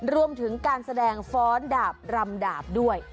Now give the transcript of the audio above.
รวมถึงการแสดงฟ้อนดาบรำดาบด้วย